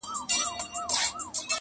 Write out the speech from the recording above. هغه شپه مي د ژوندون وروستی ماښام وای!